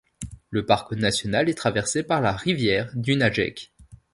Le parc national est traversé par la rivière Dunajec.